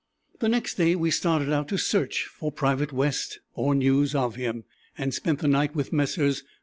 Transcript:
The next day we started out to search for Private West, or news of him, and spent the night with Messrs.